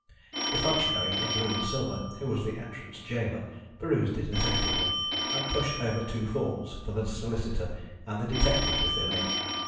The functionary in blue and silver, who was the entrance gaoler, perused it attentively, and pushed over two forms for the solicitor and the detective to fill in.